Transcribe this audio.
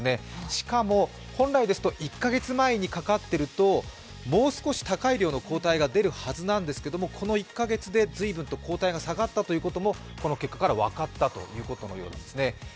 しかも、本来ですと１カ月前に懸かっていると、もう少し高い量の抗体が出るはずなんですがこの１カ月で随分と抗体が下がったということもこの結果から分かったということのようですね。